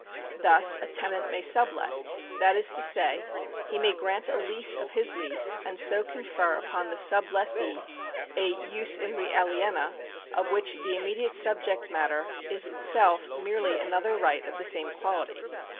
Thus a tenant may sublet ; that is to say, he may grant a lease of his lease, and so confer upon the sub lessee a, jus in re aliena of which the immediate subject matter is itself merely another right of the same quality.